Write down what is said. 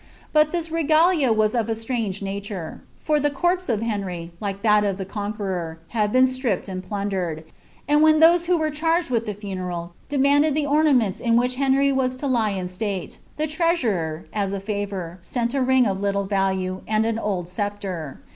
But ihis regalia was of a strsnge nature; in the corpse of Ueury, like that of the Conqueror, had been strippod tti plundered ; and when those who were charged witli t)ie fiiiiti^ d^ manded the ornaments in which Henry was to lie in state, the Ireunm, as a favour, sent a ring of little value, and an old sceptre.